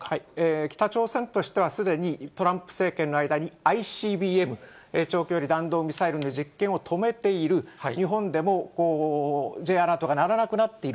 北朝鮮としては、すでにトランプ政権の間に、ＩＣＢＭ・長距離弾道ミサイルの実験を止めている、日本でもＪアラートが鳴らなくなっている。